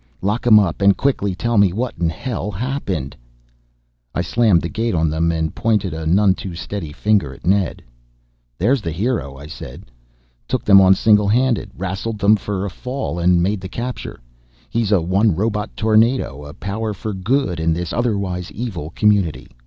"Lock 'em up and quickly tell me what in hell happened." I slammed the gate on them and pointed a none too steady finger at Ned. "There's the hero," I said. "Took them on single handed, rassled them for a fall and made the capture. He is a one robot tornado, a power for good in this otherwise evil community.